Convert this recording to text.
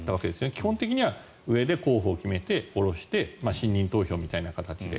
基本的には上で候補を決めて下ろして信任投票みたいな形で。